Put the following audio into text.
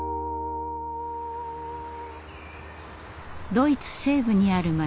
ドイツ西部にある町